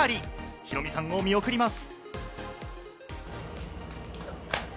ヒロミさんを見送ります。